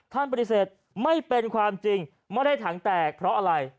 ท่านปฏิเสธไม่เป็นความจริงไม่ได้ถังแตกเพราะอะไร